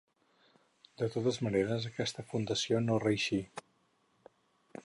De totes maneres aquesta fundació no reeixí.